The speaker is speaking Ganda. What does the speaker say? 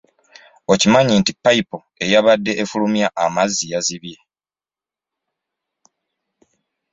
Okimanyi nti payipu eyabade efuirumya amazzi yazibye.